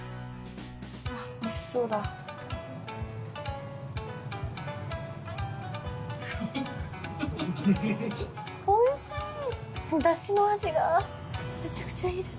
おいしそうだ・おいしい！